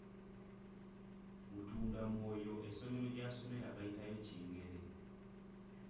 Mutundamwoyo essomero gy’asomera bayitayo Kingere.